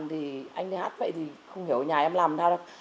thì anh đi hát vậy thì không hiểu nhà em làm ra đâu